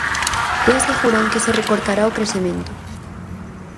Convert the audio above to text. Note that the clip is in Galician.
E aseguran que se recortará o crecemento.